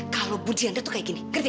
kalau buji anda tuh kayak gini ngerti